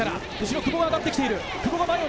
久保も上がってきている。